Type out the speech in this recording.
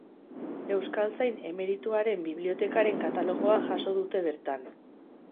Euskaltzain emerituaren bibliotekaren katalogoa jaso dute bertan.